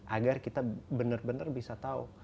agar kita benar benar bisa tahu